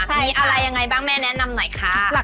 มีอะไรยังไงบ้างแม่แนะนำหน่อยค่ะ